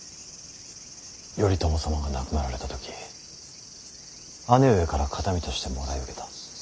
頼朝様が亡くなられた時姉上から形見としてもらい受けた。